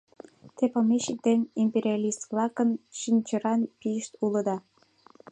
Те помещик ден империалист-влакын шинчыран пийышт улыда!